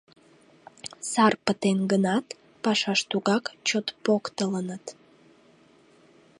Сар пытен гынат, пашаш тугак чот поктылыныт.